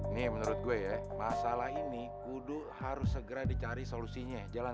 nih menurut gue ya masalah ini kudu harus segera dicari solusinya